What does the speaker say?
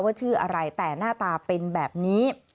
ชื่ออะไรแต่หน้าตาเป็นแบบนี้